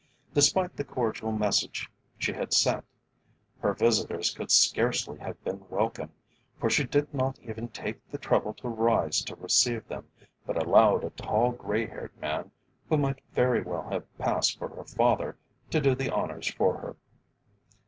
Despite the cordial message she had sent, her visitors could scarcely have been welcome, for she did not even take the trouble to rise to receive them, but allowed a tall grey haired man, who might very well have passed for her father, to do the honours for her.